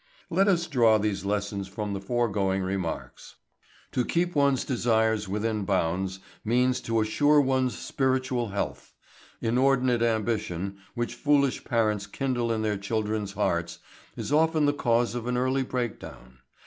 Let us draw these lessons from the foregoing remarks: to keep one's desires within bounds means to assure one's spiritual health. Inordinate ambition, which foolish parents kindle in their children's hearts, is often the cause of an early breakdown.